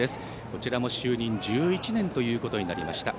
こちらも就任１１年ということになりました。